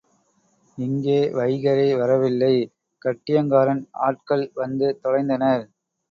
இங்கே வைகறை வரவில்லை கட்டியங்காரன் ஆட்கள் வந்து தொலைந்தனர்.